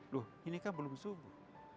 duh inikan belum subuh